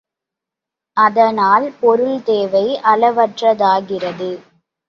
அதனால் பொருள் தேவை அளவற்றதாகிறது.